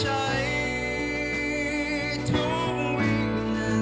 เรียกว่าความรัก